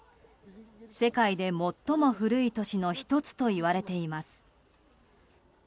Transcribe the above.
世界で最も古い都市の１つといわれています。